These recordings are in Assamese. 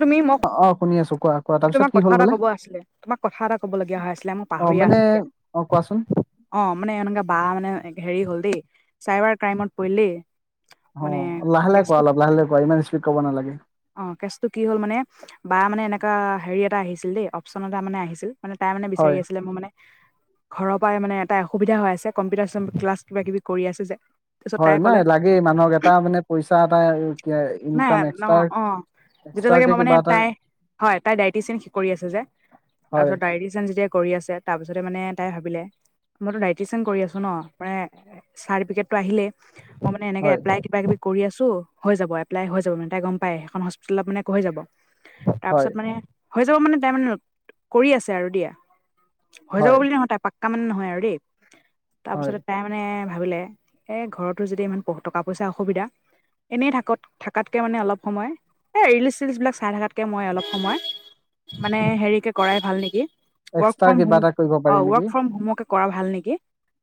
তুমি মোক অ', অ', শুনি আছো কোৱা কোৱা তাৰপিছত তোমাক কি কথা হ'ল এটা বোলে ক'ব আছিলে তোমাক কথা এটা ক'বলগীয়া হৈ আছিলে মই অ' পাহৰিয়ে মানে আছো এতিয়া অ', কোৱাচোন? অ', মানে এনেকুৱা বা মানে হেৰি হ'ল দেই চাইবাৰ ক্ৰাইমত পৰিল দেই। মানে অ', লাহে লাহে কোৱা কেচটো অলপ লাহে লাহে কোৱা ইমান স্পীড ক'ব নালাগে। অ', কেচটো কি হ'ল মানে বা মানে এনেকুৱা হেৰি এটা আহিছিল দেই অপচন এটা মানে আহিছিল। তাই মানে হয় বিচাৰিছিলে মোৰ মানে ঘৰৰ পৰাই মানে এটা অসুবিধা হৈ আছে কম্পিউটাৰ ক্লাছ কিবা কিবি কৰি আছে যে। তাৰপিছত তাই হয় ক'লে নাই লাগেই মানুহক এটা মানে পইচা এটা নাই ইনকাম ন এক্সট্ৰা অ' যেতিয়ালকে এক্সট্ৰাকে মই মানে কিবা এটা তাই হয় তাই ডাইটিচিয়ান কৰি আছে যে। হয় তাৰপছত ডাইটিচিয়ান কৰি আছে তাৰপিছতে মানে তাই ভাবিলে মইতো ডাইটিচং কৰি আছো ন চাতিফিকেততো আহিলে মই মানে এনেকে হয় এপলাই কিবা কিবি কৰি আছো হৈ যাব। ওলাই হৈ যাব মানে তাই গম পায় সেইখন হস্পিটেলত মানে কৈ যাব হয় তাৰপিছত মানে হৈ যাব মানে তাই মানে কৰি আছে আৰু দিয়া হৈ যাব হয় বুলি নহয় তাই পাক কামান নহয় আৰু দেই হয় তাৰপিছতে তাই মানে ভাবিলে এ ঘৰতো যদি ইমান প টকা পইচা অসুবিধা এনেই থাকত থকাতকে মানে অলপ সময় এ ৰিলচ চলচ্ বিলাক চাই থকাতকে মই অলপ সময় মানে হেৰিকে কৰাই ভাল নেকি ৱৰ্ক এক্সট্ৰা ফ্ৰম কিবা হোম এটা কৰিব অ পাৰি নেকি ৱৰ্ক ফ্ৰম হোমেকে কৰা ভাল নেকি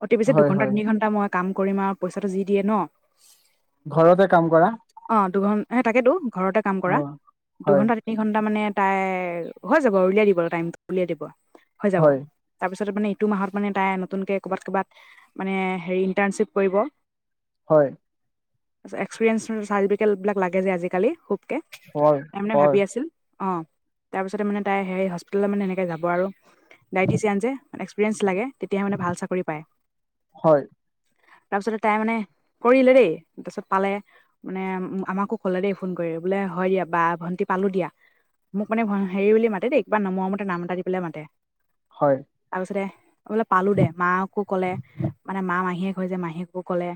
অতি বেছি হয় দুঘন্টা হয় তিনি ঘন্টা মই কাম কৰিম আৰু পইচাটো যি দিয়ে ন ঘৰতে কাম কৰা অ ', দুঘণ্ তাকেতো ঘৰতে কাম অ', কৰা হয় দুঘণ্টা তিনি ঘণ্টা মানে তাই হৈ যাব উলিয়াই দিব টাইমটো উলিয়াই দিব হৈ যাব। হয় তাৰপিছত মানে ইটো মাহত মানে তাই নতুনকে ক'বাত ক'বাত মানে হেৰি ইণ্টাৰ্ণশ্বিপ কৰিব হয়। একচপিৰিএনচ চাৰতিফিকেত বিলাক লাগে যে আজি কালি খুপ তে হয় তাই মানে হয় ভাবি আছিল অ', তাৰপিছতে মানে তাই হেৰি হস্পিটেলত মানে এনেকৈ যাব আৰু ডায়টিচিয়ান যে এক্সেৰিয়েঞ্চ লাগে তেতিাহে মানে ভাল চাকৰি পায় হয় তাৰপিছতে তাই মানে কৰিলে দেই তাৰপিছত পালে মানে আমাকো ক'লে দেই ফোন কৰি বোলে হয় দিয়া বা ভণ্টি পালো দিয়া মোক মানে হেৰি বুলি মাতে দেই কিবা মৰমতে নাম এটা দি পেলাই মাতে হয় তাৰপিছতে বোলে পালো দে মাকাকো কলে মানে মা মাহীয়ে হৈ যে মাহীয়েকো কলে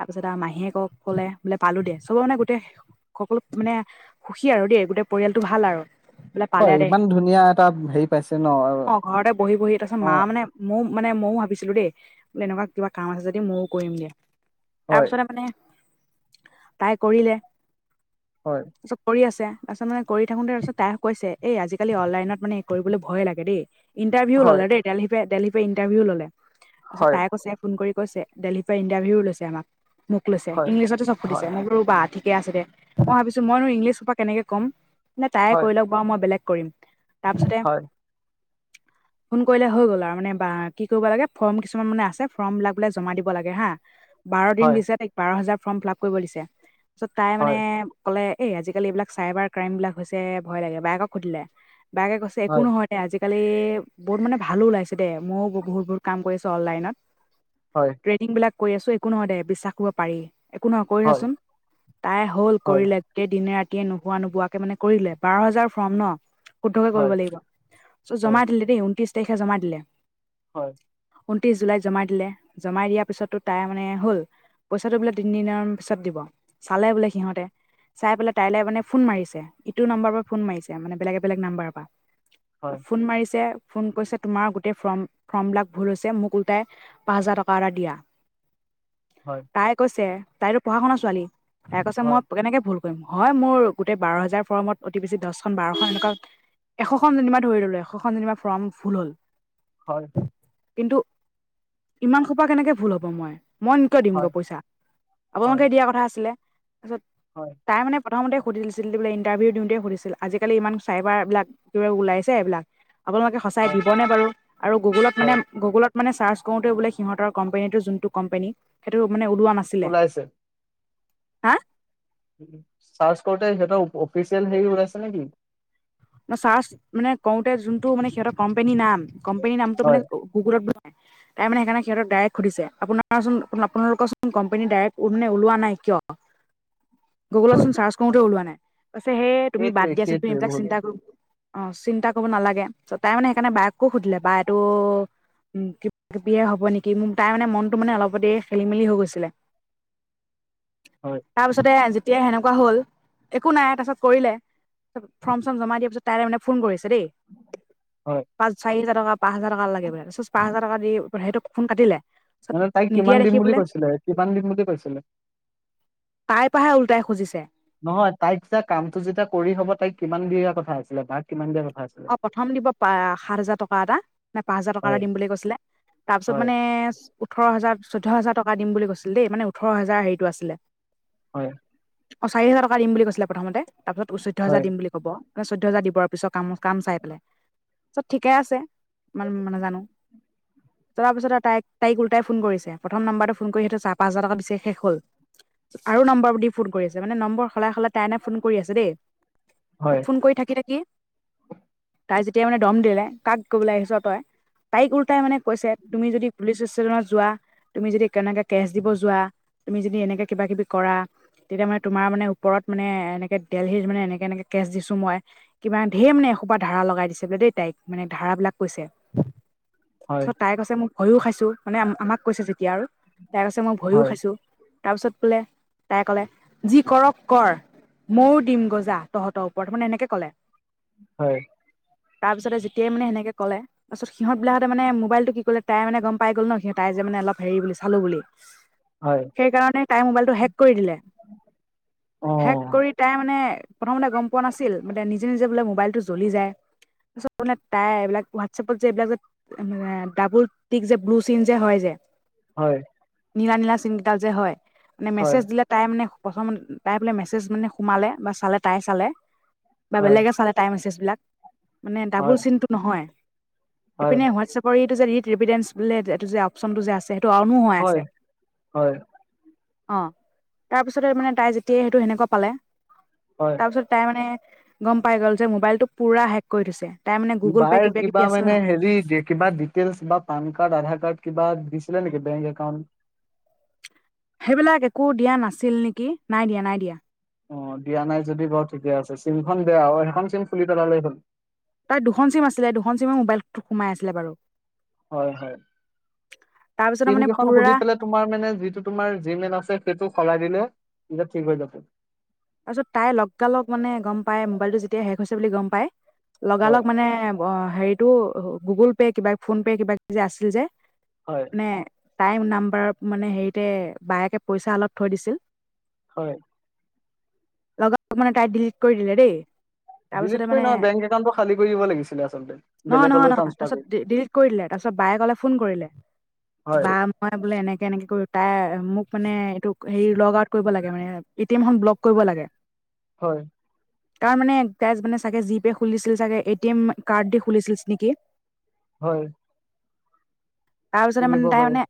তাৰপিছত আৰু মাহীয়ে কক ক'লে বোলে পালোঁ দে চব মানে গোটেই সকলো মানে সুখী আৰু দেই গোটেই পৰিয়ালটো ভাল আৰু বোলে হয় পালে দেই ইমান ধুনীয়া এটা হেৰি পাইছে ন অ ঘৰতে বহি বহি তাৰপিছত মা অ', মানে ময়ো মানে ময়ো ভাবিছিলো দেই বোলে এনেকুৱা কিবা কাম আছে যদি ময়ো কৰিম দিয়া তাৰ হয় পিছতে মানে তাই কৰিলে হয় তাৰপিছত কৰি আছে তাৰ পাছত মানে কৰি থাকোতে তাৰপাছত তাই কৈছে এই আজিকালি অনলাইনত মানে কৰিবলৈ ভয়ে লাগে দেই। ইণ্টাৰভিউ হয় ল'লে দেই দেলহি দেলহি ইণ্টাৰভিউ ললে তাৰপছত হয় তাই কৈছে ফোন কৰি কৈছে দেলহিৰ পৰা ইণ্টাৰভিউ লৈছে আমাক মোক লৈছে হয় ইংলিছত চব সুধিছে। হয় ৰবা ঠিকে আছে দে মই ভাবিছোঁ মইনো ইংলিছ সোপা কেনেকে ক'ম নে তাই এ হয় কৰি লওক। অ', মই বেলেগ কৰিম তাৰপিছতে হয় [inaudible] ফোন কৰিলে হৈ গ'ল আৰু মানে বা কি কৰিব লাগে ফৰ্ম কিছুমান মানে আছে ফৰ্ম বিলাক বোলে জমা দিব লাগে হা। বাৰ দিন হয় দিছে তাইক বাৰ হোজাৰ ফৰ্ম ফিলআপ কৰিব দিছে তাৰপিছত তাই মানে হয় ক'লে এই আজিকালি এইবিলাক চাইবাৰ ক্ৰাইম বিলাক হৈছে ভয় লাগে বায়েক সুধিলে বায়ে কৈছে একো হয় নহয়। আজিকালি বহুত মানে ভালো ওলাইছে দেই মইও বহুত বহুত কাম কৰিছোঁ অনলাইনত। হয়। ট্ৰেইডং বিলাক কৰি আছোঁ একো নহয় দে বিশ্বাস কৰিব পাৰি একো নহয়। হয় কৰিছাচোন তাই হ'ল হয় কৰিলে। দিনে ৰাতিয়ে নোহোৱা নোবোৱাকে মানে কৰি দলে বাৰ হাজাৰ ফ্ৰৰ্ম ন শুদ্ধকে হয় কৰিব লাগিব হয় হয় জমা দিল দেই ঊন্ত্ৰিশ তাৰিখে জমা দিলে। হয় ঊনত্ৰিছ জুলাই জমা দিলে জমা দিয়াৰ পিছততো তাই মানে হ'ল পইচাটো বুলে তিনিদিনৰ পিছত দিব চালে বোলে সিহঁতে চাই পেলাই তাইলৈ মানে ফোন মাৰিছে ইটো নম্বৰ পৰা ফোন মাৰি মে বেলেগে বেলেগ নাম্বাৰৰ পৰা হয় ফোন মাৰিছে ফোন কৰিছে তোমাৰ গোটেই ফৰ্ম ফৰ্মবিলাক ভুল হৈছে মোক ওলটাই পাঁচ হাজাৰ টকা এটা দিয়া হয় তাই কৈছে তাইতো পঢ়া শুনা ছোৱালী তাই কৈছে মই হয় কেনেকৈ ভুল হয় মোৰ গোটেই বাৰ হাজাৰ ফমত অতি বেছি দহখন বাৰখন এনেকুৱা এশখন চিনেমা ধৰিলো এশখন চিনেমা ফৰ্ম ফুল হ'ল হয় কিন্তু ইমান সোপা কেনেকে ভুল হ'ব মই মই কিয় দিম গৈ হয় পইচা হয় আপোনালোকে দিয়া কথা আছিলে তাৰপিছত হয় তাই মানে প্ৰথমতে সধি দিছিল বোলে ইণ্টাৰভিউ দিওঁতে সুধিছিল আজিকালিমান চাইবাৰবিলাক কিব ওলাইছে এইবিলাক আপোনালোকে সঁচাই দিবনেে বাৰু আৰু গুগুলত হয় মানে গুগুলত মান চাৰ্চ কৰোতে বোলে সিহতৰ কম্পেনীটো যোনটো কম্পেনী সেইটো মানে ওলোৱা নাছিল। ওলাইছে চাৰ্চ কৰোতে সিহঁতৰ অফিচিয়েল হেৰি ওলাইছে নেকি? ম চাৰ্চ মানে কওঁতে যোনটো মানে সিহঁতৰ কম্পেনীৰ নাম কম্পেনীৰ নামটো হয় মানে গুগুলত ব [inaudible] তাই মানে সেইকাৰণে সিহঁকত ডাইৰেক সুধিছে আপোন আপোনালোকচোন কোম্পেনী ডাইৰেক ওলোৱা নাই কিয় [inaudible] গুগলত চাৰ্চ কৰোতে ওলোৱা নাই পাছে তুমি সেইটোৱে বাদ দিয়াচোন তুম সেইটোৱে এইবিল ভুল চিন্তা অ', চিন্তা কৰিব নালাগে তাই মানে সেইকাৰণে বায়েককো সুধিলে বা এইটো উম, কিবা কিবিয়ে হ'ব নেকি মোৰ তাই মানে মনটো মানে অলপতে খেলি মেলি হৈ গৈছিলে। হয় তাৰপিছতে যেতিয়া সেনেকুৱা হ'ল একো নাই তাৰপছত কৰিলে ফ জমা দিয়াৰ পিছত মানে ফোন কৰিছে দেই হয় পাঁচ চাৰি হাজাৰ টকা পাঁচ হাজাৰ টকা লাগে বোলে তাৰ পাছত পাঁচ হাজাৰ টকা দি সেইটো ফোন কাটিলে। তাৰপিছত মানে তাইক কিমান নিদিয়া দিম দেখি বুলি বোলে কৈছিলে কিমান দিম বুলি কৈছিলে। তাইৰ পৰাহে ওলটাই খুজিছে নহয় তাইক যেতিয়া কামটো যেতিয়া কৰি হব তাইক কিমান দিয়া কথা আছিলে বা কিমান দিয়া কথা আছিলে। অ', প্ৰথম দিব পা- সাত হাজাৰ টকা এটা নে পাঁচ হাজাৰ টকা এটা হয় দিম বুলি কৈছিলে। তাৰপিছত হয় মানে ওঠৰ হাজাৰ চৈধ্য হাজাৰ টকা দিম বুলি কৈছিল দেই মানে ওঠৰ হাজাৰ হেৰিটো আছিলে হয় অ চাৰি হাজাৰ টকা দিম বুলি কৈছিলে প্ৰথমতে তাৰ পিছত চৈধ্য হাজাৰ হয় দিম বুলি কৈ হ' চৈধ্য হাজাৰ দিবৰ পিছত ক কাম চাই পেলাই চত ঠিকে আছে ই মানে জানো [unintelligible] তলাৰ পিছত তাই তাই ওলোটাই ফোন কৰিছে প্ৰথম্বৰটো ফোন সিহঁ চাৰ পাঁ হাজ টকা দিছে শেষ হ'ল আৰু নম্বৰ দি ফোন কৰি আছে মানে নম্বৰ সলাই সলাই তাইনে ফোন কৰি আছে দেই ত হয় ফোন কৰি থাকি থাকি তাই যেতিয়া মানে দম দিলে কাক কবলৈ আহিছো তই তাইক উওল্টাই মানে কৈছে তুমি যদি পুলিচ ষ্টেশ্যনত যোৱা তুমি যদি কেনেকে কেচ দিব যোৱা তুমি যদি এনেকে কিবা কিবি কৰা তেতিয়া মানে তোমাৰ মানে ওপৰত মানে এনেকৈ দেলহি মানে এনেকৈ এনেকৈ কেছ দিছোঁ মই কিবা ধেৰ মানে এসোপা ধাৰ়া লগাই দিছে বোলে দেই তাইক মানে ধাৰাবিলাক কৈছে হয় তাৰপছত তাই কৈছে মোক ভয়ো খাইছো মানে আমাক কৈছে যেতিয়া আৰু তাই কৈছে মই ভয়ো হয় খাইছো তাৰপিছত বোলে তাই কলে যি কৰক কৰ মইও দিম গজা তহঁতৰ ওপৰত মানে এনেকে ক'লে হয় তাৰপিছতে যেতিয়াই মানে সেনেকৈ ক'লে পাছত সিহতিলাহ মান মবাইলটো ক'লে তাই মানে গমাই গ' ন সিহ ত যোনে অলপ হে বুলিৰি চালো বুলি হয় সেইকাৰণে তাই মোবাইলটো হেক কৰি দিলে অ হেক কৰি তাই মানে প্ৰথমতে গম পোৱা নাছিল মানে নিজে নিজে বোলে মোবাইলটো জ্বলি যায় তাই এইবিলাক হোৱাটছএপত যে এইবাক যে মান ডাবুল টিক যে ব্লু চন যে হয় যে হয় নীলা নীলা চিনকেইডাল যে হয় মানে হয়, মেছেজ দিলে তাই মানে প্ৰথম তাই বোলে মেছেজ মানে সোমালে বা চালে তাই চালে বা হয়, বেলেগে চালে তটাই মেছেজবিলাক মানে ডাবল হয়, চিনটো নহয় হয়, এপিনে হোৱাটছএপ ৰি এইটো যে ডেঞ্চ বোলে এইটো যে অপচনটো যে আছে সেইটো অনো হৈ হয়, আছে হয়, অঁ তাৰপিছতে মানে তাই যেতিয়াই সেইটো সেনেকুৱা পালে হয় তাৰপিছত তাই মানে গম পাই গ'ল যে মোবাইলতটো পুৰা হেক কৰি থৈছে তাই মানে গুগল পে' বাৰ কিবা কিবি আছিল মানে ন হেৰি যে কিবা ডিটেইলছ বা পান কাৰ্ড আধাৰ কাৰ্ড কিবা দিছিলে নেকি বেংক একাউণ্ট সেইবিলাক একো দিয়া নাছিল নেকি নাই দিয়া নাই দিয়া অ দিয়া নাই যদি বাৰু ঠিকে আছে চিমখন দিয় আৰু সেইখন চিম ফুলি পেলালেই হ'ল তই দুখন চিম আছিলে দুখন চিমে মোবাইলটো সোমাই আছিলে বাৰু হয় হয় তাৰপিছতে চিম মানে কেইখন সুধি পুৰা পেলাই তোমাৰ মানে যিটো তোমাৰ জি মেল আছে সেইটো সলাই দিলে প ঠিক হৈ য তাৰ পিছত তাই লগালগ মানে গম পাই মোবাইলটো যেতিয়া শেষ হৈছে বুলি গম পাই হয়, লগালগ মানে অ হেৰিটো গুগল পে' কিবা ফোনপে' কিবা যে আছিল যে হয় মানে তাই নাম্বাৰত মানে হেৰিতে বায়েকে পইচা অলপ থৈ দিছিল হয় লগ মানে তাই ডিলিট কৰি দিলে দেই তাৰপিছতে মানে [inaudible] কৰিলে তাৰপিছত বায়ে ক'লে ফোন কৰিলে হয় হয় বোলে এনেকে এনেকে কৰি তাই মোক মানে এইটো হেৰি লগ আউট কৰিব লাগে মানে এট এম ব্ল কৰিব লাগে হয়। তাৰ মানে কেছ মানে চাগে জি পে' খুলিছিল চাগে এ টি এম কাৰ্ড দি খুলিছিল নেকি? হয়। তাৰপিছতে খুলিব মানে তাই পাৰে। মানে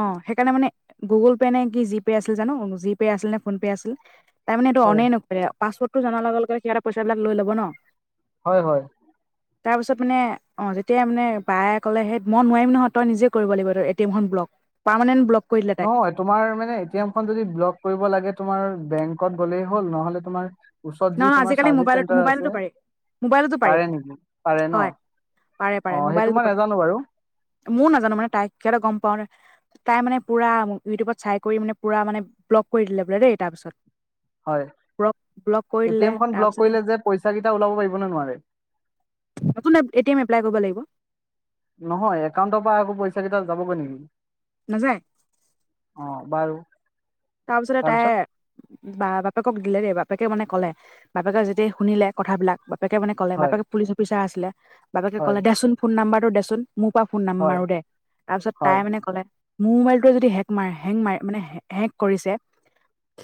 অ' সেইকাৰণে মানে গুগ'ল পে নে কি জিপে' আছিল জানো জিপে আছিল নে ফোন পে' আছিল তাৰমানে এইটো হয়, অ'নেই নকৰিলে, পাছওৱৰ্ড জনাৰ লগে লগে সিহ'তে পইচাবিলাক লৈ ল'ব ন? হয়, হয়। তাৰপাছত মানে অঁ যেতিয়াই মানে বায়ে ক'লে সেই মই নোৱাৰিম নহয় তই নিজে কৰিব লাগিব তই এ টি এমখন ব্লক। পাৰ্মেণ্ট ব্লক কৰি দিলে তাইক। নহয় তোমাৰ মানে এ টি এম খন যদি ব্লক কৰিব লাগে তোমাৰ বেংকত গ'লেই হ'ল, নহলে তোমাৰ ওচৰত যি নহয় নহয় তোমাৰ আজিকালি চাৰ্ভিচ মোবাইলত চেণ্টাৰ আছে মোবাইলতো পাৰি মোবাইলতো পাৰি পাৰে নেকি? পাৰে ন, হয় অ' সেইটো মই নাজানো বাৰু? মইয়ো নাজানো, মানে তাই কিবা এটা গ'ম পাওঁ তাই মানে পুৰা ইউটিউবত চাই কৰি মানে পুৰা মানে ব্লগ কৰি দিলে বোলে দেই। তাৰপিছত হয়। ব্লক ব্লক কৰি এ টি দিলে এম খন ব্লক তাৰপিছতে কৰিলে যে পইচা কেইটা ওলাব পাৰিব ন নোৱাৰে? নতুন এ টি এম এপ্লাই কৰিব লাগিব। নহয়, একাউণ্টৰ পৰা আকৌ পইচা কেইটা যাবগৈ নেকি? নাযায়। অ' বাৰু তাৰপিছতে তাই তাৰপিছত বা বাপেকক দিলে দেই, বাপেকে মানে ক'লে বাপেকে যেতিয়া শুনিলে কথাবিলাক বাপেকে মানে ক'লে, হয় বাপেক পুলিচ অফিচাৰ আছিলে, বাপেকে হয় ক'লে দেচোন ফোন নাম্বাৰটো দেচোন মোৰ পৰা ফোন নাম্ব হয় মাৰো দে। তাৰপিছত তাই হয় মানে ক'লে মোৰ মোবাইলটোৱে যদি হেক ম হেং ম মানে হেক কৰিছে,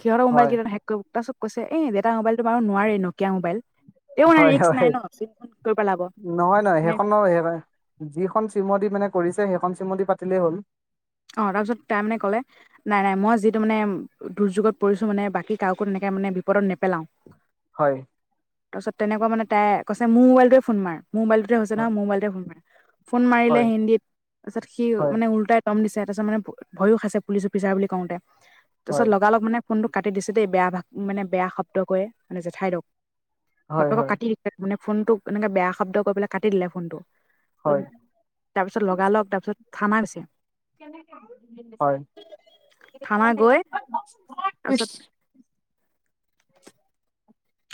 সিহঁতৰ মোবাইল হয় কেই ত' তাৰ পিছত কৈছে এই দেউতা মোবাইলতটো বাৰু নোৱাৰে ন'কিয়া মোবাইল। তেওঁ মানে হয়, ৰিস্ক নাই হয়, ন চিমখন কৰি পেলাব নহয়, নহয় মানে সেইখন নহয় সেইকাৰ যিখন চিমে মানে কৰিছে সেইখন চিমেদি পাতিলেই হ'ল। অ' তাৰপিছত তাই মানে ক'লে নাই, নাই মই যিটো মানে দুৰ্যোগত পৰিছো মানে বাকী কাকো তেনেকে মানে বিপদত নেপেলাওঁ। হয়। তাৰপিছত তেনেকুৱ মানে তাই কৈছে মোৰ মোবাইলটোৰে ফোন মোবাইলটো টোৰে হৈছে নহয় হয় মোৰ মোবাইলটোৰে ফোন মাৰ, ফোন মাৰিলে হয় হিন্দীত তাৰ পিছত সি হয় মানে উল্টা দম দিছে, তাৰ পাছত মানে ভয়ো খাইছে পুলিচ অফিচাৰ বুলি কওঁতে, তাৰপিছত হয় লগালগ মানে ফোনটো কাটি দিছো দেই বেয়া ভাগ মানে বেয়া শব্দ কৈ মানে জেঠাই দওক, হয় বাপেক হয় কাটি মানে ফোনটোক এনেকে বেয়া শব্দ কৈ পেলাই কাটি দিলে ফোনটো। হয় তাৰপিছত লগালগ তাৰপিছত থানা গৈছে। হয়। থানা গৈ তাৰপিছত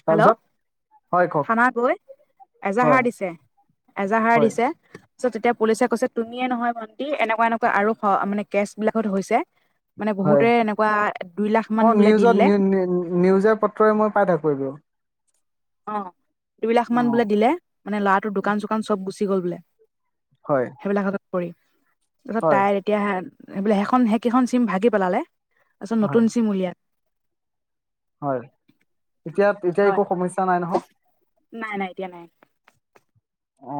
হেল্ল' তাৰপিছত? হয় কওক থানা গৈ এজাহাৰ হয় দিছে। এজাহাৰ হয় দিছে পিছত তেতিয়া পুলিচে কৈছে, তুমিয়ে নহয় ভন্টি এনেকুৱা এনেকুৱা আৰু মানে কেচ বিলাকত হৈছে। মানে হয় বহুতে এনেকুৱা দুই লাখ মান অ বোলে দি নিউজত দিলে। নিউ নিউজে পত ত্ৰই মই পাই থাকো এইবোৰ। অ' দুইলাখ অ মান বোলে দিলে, মানে ল'ৰাটোৰ দোকান চোকান চব গুচি গ'ল বোলে। হয়। সেইবিলাকৰ হাতত পৰি, তাৰপিছত হয় তাই এতিয়া সে সেইখন সেইকেইখন চিম ভাগি পেলালে। তাৰপিছত হয় নতুন চিম উলিয়াই। হয়, এতিয়া এতিয়া হয় একো সমস্যা নাই নহয়? নাই, নাই এতিয়া নাই। অ